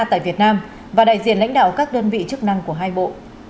tại việt nam và đại diện lãnh đạo các đơn vị chức năng của hai bộ